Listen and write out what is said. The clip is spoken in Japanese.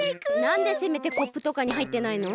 なんでせめてコップとかにはいってないの？